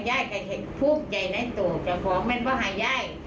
ยายก็ผู้ใจไหนตัวของมันประหายยาย